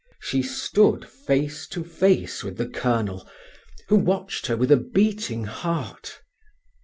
She stood face to face with the colonel, who watched her with a beating heart.